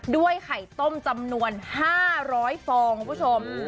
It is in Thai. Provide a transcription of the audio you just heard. ไข่ต้มจำนวน๕๐๐ฟองคุณผู้ชม